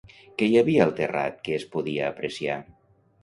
Què hi havia al terrat que es podia apreciar?